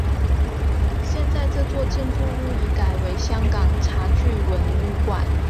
现在这座建筑物已改为香港茶具文物馆。